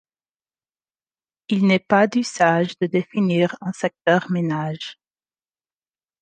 Il n'est pas d'usage de définir un secteur ménage.